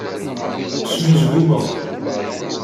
Snuzgumeɣ.